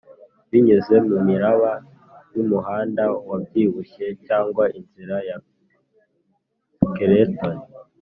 binyuze mumiraba yumuhanda wabyibushye cyangwa inzira ya skeleton.